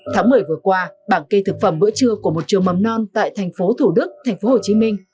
tháng một mươi vừa qua bảng kê thực phẩm bữa trưa của một trường mầm non tại thành phố thủ đức thành phố hồ chí minh